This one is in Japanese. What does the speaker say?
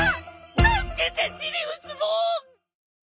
助けてシリウスモン！